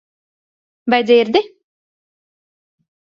Vai dzirdi?